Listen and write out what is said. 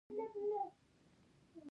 خانان او اوسېدونکي مخالفت کوي.